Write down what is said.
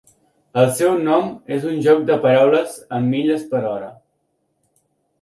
El seu nom és un joc de paraules amb "milles per hora".